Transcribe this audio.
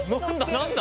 何だ？